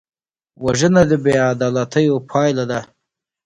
وژنه د بېعدالتیو پایله ده